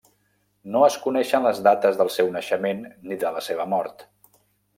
No es coneixen les dates del seu naixement ni de la seva mort.